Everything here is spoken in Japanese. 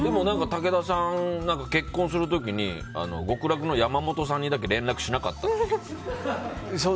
武田さん、結婚する時に極楽の山本さんに連絡しなかったっていう。